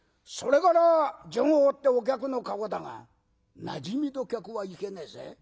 それから順を追ってお客の顔だがなじみの客はいけねえぜ。